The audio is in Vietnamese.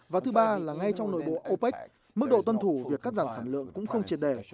và thứ ba là ngay trong nội bộ opec mức độ tuân thủ việc cắt giảm sản lượng cũng không triệt đẻ